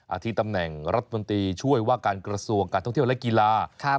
ที่ตำแหน่งรัฐมนตรีช่วยว่าการกระทรวงการท่องเที่ยวและกีฬา